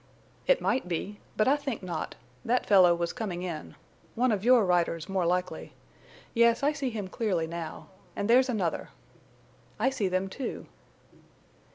"It might be. But I think not—that fellow was coming in. One of your riders, more likely. Yes, I see him clearly now. And there's another." "I see them, too."